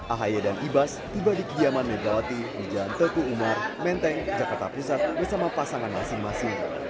ahaye dan ibas tiba di kediaman megawati di jalan teguh umar menteng jakarta pusat bersama pasangan masing masing